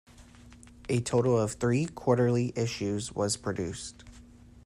A total of three quarterly issues was produced.